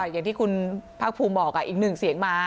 อย่างที่คุณภาคภูมิบอกอีกหนึ่งเสียงมา